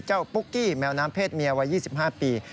ปุ๊กกี้แมวน้ำเพศเมียวัย๒๕ปี